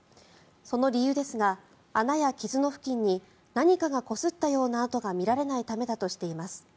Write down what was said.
その理由ですが、穴や傷の付近に何かがこすったような跡が見られないためだとしています。